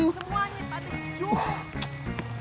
semuanya pada jujur